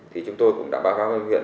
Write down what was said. thì chúng tôi cũng đã báo cáo cho huyện